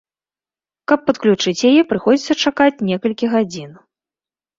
Каб падключыць яе, прыходзіцца чакаць некалькі гадзін.